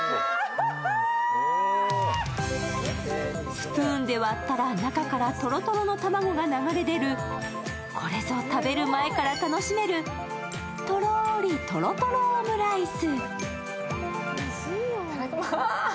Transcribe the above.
スプーンで割ったら中からとろとろの卵が流れ出るこれぞ食べる前から楽しめるとろりとろとろオムライス。